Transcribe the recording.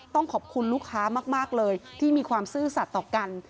ต้องขอบคุณลูกค้ามากเลยที่มีความซื่อสัตว์ต่อกัน